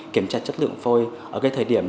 kiểm tra chất lượng phôi ở cái thời điểm